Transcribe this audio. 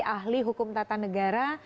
ahli hukum tata negara